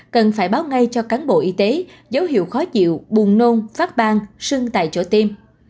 cần phải báo ngay cho cán bộ y tế dấu hiệu khó chịu buồn nôn phát bang sưng tại chỗ tiêm